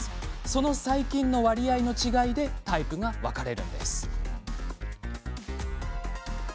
その細菌の割合の違いでタイプが分かれます。